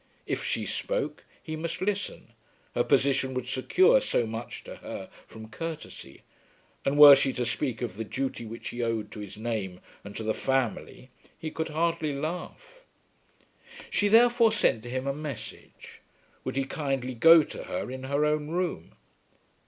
If she spoke, he must listen. Her position would secure so much to her from courtesy, and were she to speak of the duty which he owed to his name and to the family he could hardly laugh. She therefore sent to him a message. Would he kindly go to her in her own room?